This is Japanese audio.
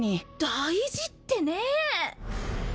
大事ってねぇ！